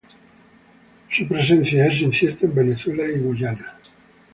Su presencia es incierta en Venezuela y Guyana.